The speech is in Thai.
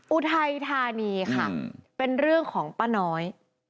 อุทัยธานีค่ะเป็นเรื่องของป้าน้อย